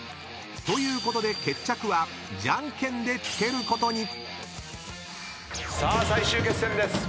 ［ということで決着はじゃんけんでつけることに］さあ最終決戦です。